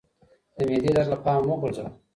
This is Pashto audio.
د معدې درد له پامه مه غورځوه